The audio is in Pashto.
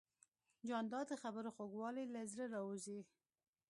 جانداد د خبرو خوږوالی له زړه راوزي.